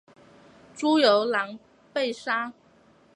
朱由榔被杀。